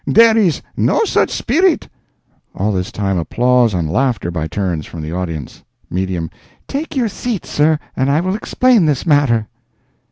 —dere is no such speerit—" (All this time applause and laughter by turns from the audience.) Medium—"Take your seat, sir, and I will explain this matter."